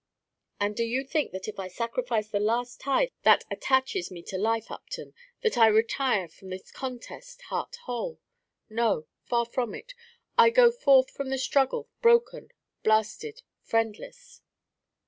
"And do you think that if I sacrifice the last tie that attaches me to life, Upton, that I retire from this contest heart whole? No, far from it; I go forth from the struggle broken, blasted, friendless!"